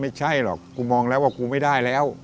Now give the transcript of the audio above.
ไม่ใช่หรอกกูมองแล้วว่ากูไม่ได้แล้ว